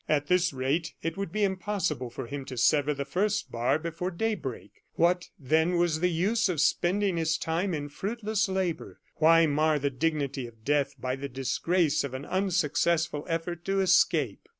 At this rate, it would be impossible for him to sever the first bar before daybreak, What, then, was the use of spending his time in fruitless labor? Why mar the dignity of death by the disgrace of an unsuccessful effort to escape?